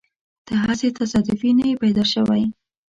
ته هسې تصادفي نه يې پیدا شوی.